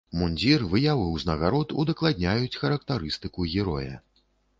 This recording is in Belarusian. Мундзір, выявы ўзнагарод удакладняюць характарыстыку героя.